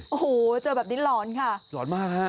โอ้โหเจอแบบนี้หลอนค่ะหลอนมากฮะ